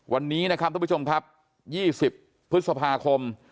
วันนี้นะครับทุกผู้ชมครับ๒๐พฤษภาคม